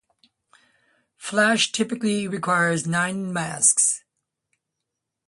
Flash typically requires nine masks.